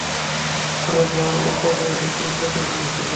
আরে যার অল্প বয়সেই চুল পেকে গিয়েছিল?